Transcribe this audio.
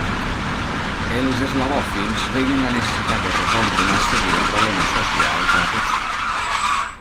Els eslavòfils veien la necessitat de resoldre una sèrie de problemes socials a Rússia.